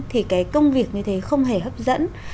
thì cái công việc như thế không hề hấp dẫn